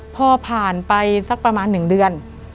พอผ่านไปสักประมาณ๑เดือน